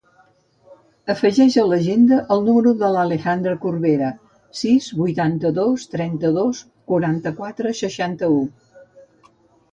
Afegeix a l'agenda el número de l'Alejandra Corbera: sis, vuitanta-dos, trenta-dos, quaranta-quatre, seixanta-u.